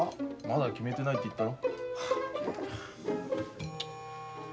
まだ決めてないって言ったろ。